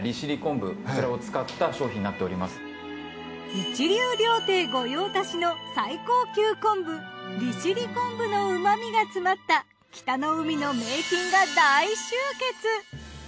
一流料亭御用達の最高級昆布利尻昆布の旨味が詰まった北の海の名品が大集結！